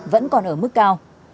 vẫn còn ở mức cao